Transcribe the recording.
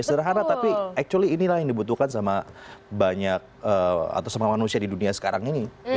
sederhana tapi actually inilah yang dibutuhkan sama banyak atau sama manusia di dunia sekarang ini